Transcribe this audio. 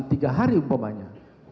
tiga hari umpamanya